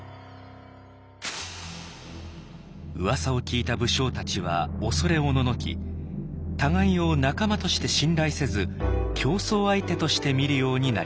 うわさを聞いた武将たちは恐れおののき互いを仲間として信頼せず競争相手として見るようになりました。